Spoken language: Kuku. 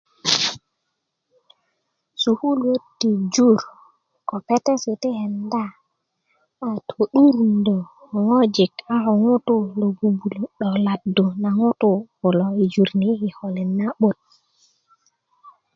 sukuluwö ti jur ko petesi' ti kenda ko to'durundö ko ŋojik ko ŋutuu lo bubulö 'doladdu na ŋutuu kulo yi jur ni yi kikolin lo'but